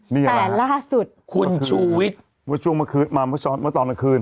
นี่อะไรหรอคะคุณชูวิทวันช่วงมาเมื่อตอนเมื่อคืน